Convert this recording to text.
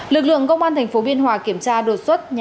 lực lượng công an thành phố biên hòa kiểm tra đột xuất